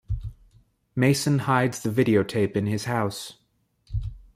Mason hides the videotape in his house.